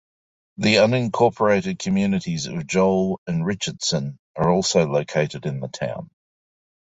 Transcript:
The unincorporated communities of Joel and Richardson are also located in the town.